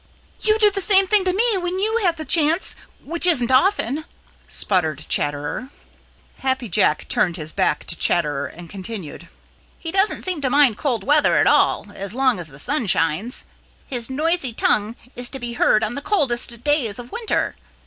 "You do the same thing to me when you have the chance, which isn't often," sputtered Chatterer. Happy Jack turned his back to Chatterer and continued, "He doesn't seem to mind cold weather at all, as long as the sun shines. His noisy tongue is to be heard on the coldest days of winter.